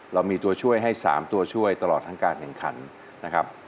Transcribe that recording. เรามีตัวช่วยให้๓ตัวช่วยตลอดทั้งการแข่งขันนะครับ